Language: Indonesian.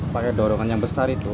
pakai dorongan yang besar itu